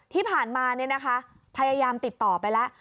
ที่ผ่านมาเนี่ยนะคะพยายามติดต่อไปแล้ว